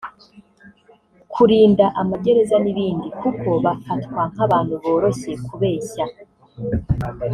kurinda amagereza n’ibindi) kuko bafatwa nk’abantu boroshye kubeshya